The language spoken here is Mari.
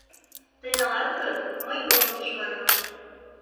— Тый налат гын, мый ом пиж вара.